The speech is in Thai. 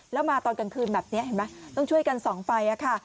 แล้วมาตอนกลางคืนแบบนี้เห็นไหมต้องช่วยกันส่องไฟค่ะ